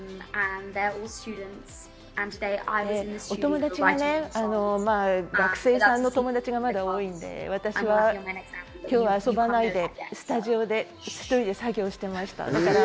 お友達がね、学生さんの友達がまだ多いので私は今日は遊ばないでスタジオで１人で作業をしていました。